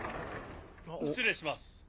失礼します。